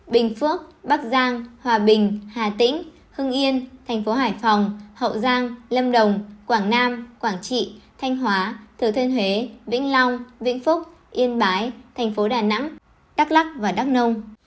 bình phước bắc giang hòa bình hà tĩnh hưng yên tp hải phòng hậu giang lâm đồng quảng nam quảng trị thanh hóa thứ thân huế vĩnh long vĩnh phúc yên bái tp đà nẵng đắk lắc và đắk nông